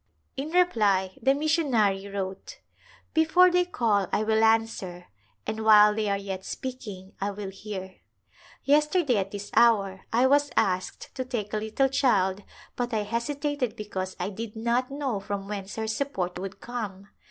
In reply the missionary wrote, "' Before they call I will answer, and while they are yet speaking I will hear.' Yesterday at this hour I was asked to take a little child but I hesitated because I did not know from whence her support would come.